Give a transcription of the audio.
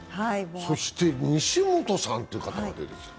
そして西本さんという方が出てきた。